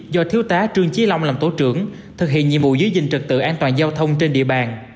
do thiếu tá trương chí long làm tổ trưởng thực hiện nhiệm vụ giữ gìn trực tự an toàn giao thông trên địa bàn